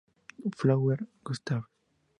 Flaubert, Gustave.